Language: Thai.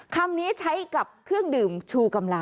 คำนี้ใช้กับเครื่องดื่มชูกำลัง